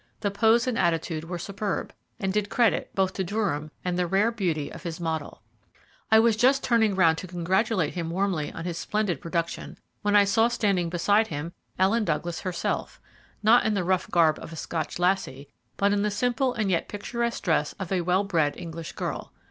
The pose and attitude were superb, and did credit both to Durham and the rare beauty of his model. I was just turning round to congratulate him warmly on his splendid production, when I saw standing beside him Ellen Douglas herself, not in the rough garb of a Scotch lassie, but in the simple and yet picturesque dress of a well bred English girl.